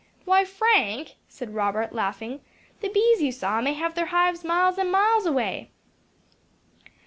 "Why, Frank," said Robert, laughing, "the bees you saw may have their hives miles and miles away."